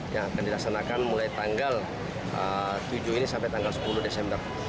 yang akan dilaksanakan mulai tanggal tujuh ini sampai tanggal sepuluh desember